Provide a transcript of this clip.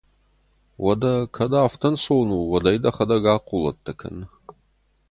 Уӕдӕ, кӕд афтӕ ӕнцон у, уӕд ӕй дӕхӕдӕг ахъулӕттӕ кӕн!